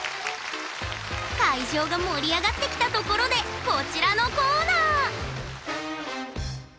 会場が盛り上がってきたところでこちらのコーナー！